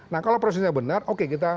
nah kalau prosesnya benar oke kita